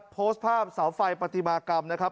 โพสต์ภาพเสาไฟปฏิมากรรมนะครับ